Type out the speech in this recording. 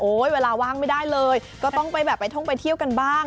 เวลาว่างไม่ได้เลยก็ต้องไปแบบไปท่องไปเที่ยวกันบ้าง